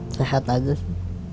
sehat aja sih